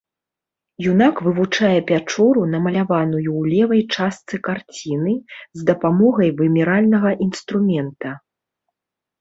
Юнак вывучае пячору, намаляваную ў левай частцы карціны, з дапамогай вымяральнага інструмента.